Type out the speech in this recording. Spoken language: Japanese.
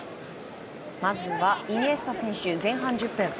まずは、イニエスタ選手前半１０分。